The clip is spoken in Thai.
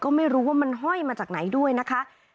ก็ไม่รู้ว่ามันห้อยมาจากไหนด้วยนะคะ